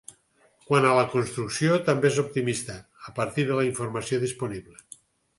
Quant a la construcció, també és optimista, a partir de la informació disponible.